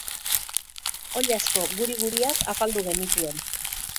Oilasko guri-guriak afaldu genituen.